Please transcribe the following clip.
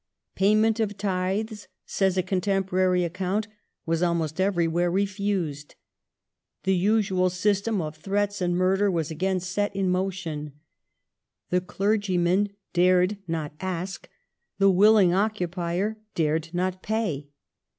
" Payment of tithes," says a contemporary account,^ " was almost everywhere refused : the usual system of threats and murder was again set in motion ; the clergymen dared not ask, the willing occupier dared not pay."